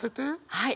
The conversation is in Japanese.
はい。